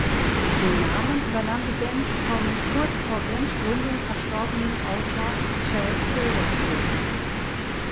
Den Namen übernahm die Band vom kurz vor Bandgründung verstorbenen Autor Shel Silverstein.